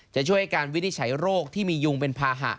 จะช่วยการวินิจฉัยโรคที่มียุงเป็นภาหะ